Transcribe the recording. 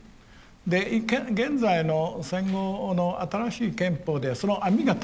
で現在の戦後の新しい憲法でその網が取れた。